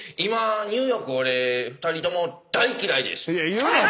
言うなよ